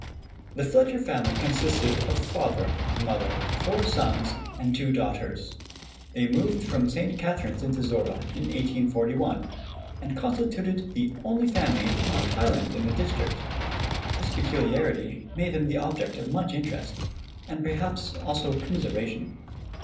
The Fletcher family consisted of father, mother, four sons, and two daughters. They moved from St. Catharines into Zorra in 1841, and constituted the only family not Highland in the district. This peculiarity made them the object of much interest, and perhaps also commiseration.